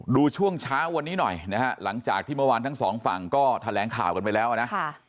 ช่วงเช้าวันนี้หน่อยนะฮะหลังจากที่เมื่อวานทั้งสองฝั่งก็แถลงข่าวกันไปแล้วนะ